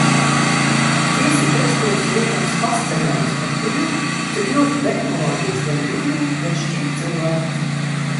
Dziesmu tekstos jūtams fascinējums par to, cik ļoti tehnoloģijas gan vieno, gan šķir cilvēkus.